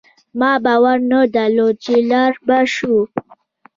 ما باور نه درلود چي لاړ به شو